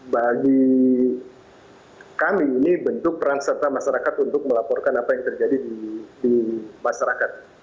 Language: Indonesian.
bagi kami ini bentuk peran serta masyarakat untuk melaporkan apa yang terjadi di masyarakat